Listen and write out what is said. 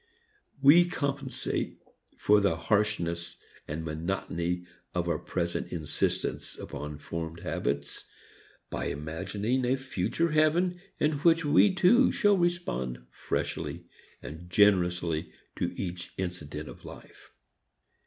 We compensate for the harshness and monotony of our present insistence upon formed habits by imagining a future heaven in which we too shall respond freshly and generously to each incident of life.